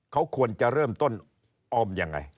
เขาควรจะเริ่มต้นออมยังไง